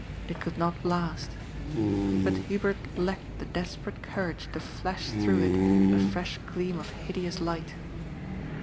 It could not last But Hubert lacked the desperate courage to flash through it a fresh gleam of hideous light.